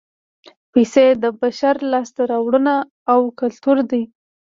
پیسې د بشر لاسته راوړنه او کولتور دی